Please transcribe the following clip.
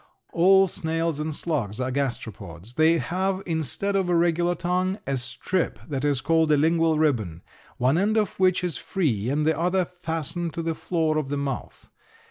All snails and slugs are gasteropods. They have instead of a regular tongue a strip that is called a lingual ribbon, one end of which is free and the other fastened to the floor of the mouth.